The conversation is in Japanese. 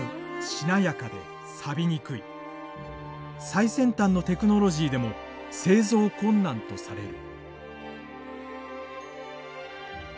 最先端のテクノロジーでも製造困難とされる。